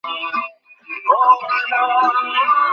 Chrysler building এর উপর থেকে।